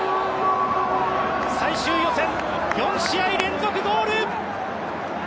最終予選、４試合連続ゴール！